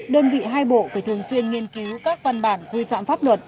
đơn vị hai bộ phải thường xuyên nghiên cứu các văn bản quy phạm pháp luật